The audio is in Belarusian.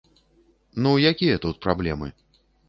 Ну якія тут праблемы?